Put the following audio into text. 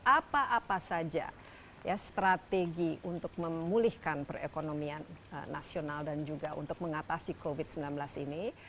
apa apa saja strategi untuk memulihkan perekonomian nasional dan juga untuk mengatasi covid sembilan belas ini